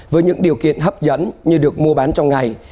với những điều kiện hấp dẫn như được mua bán trong ngày